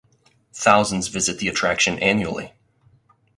Thousands visit the attraction annually.